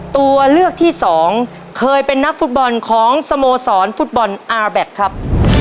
ตัวเลือกที่สองเคยเป็นนักฟุตบอลของสโมสรฟุตบอลอาร์แบ็คครับ